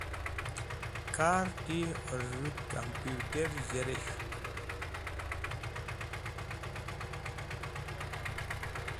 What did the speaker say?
Kard̃i hẽr z̃hũ kampuwt̃er zhẽrek̃hk